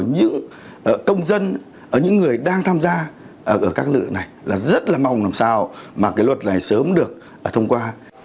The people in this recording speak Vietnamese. những công dân những người đang tham gia ở các lựa này rất mong làm sao mà luật này sớm được thông qua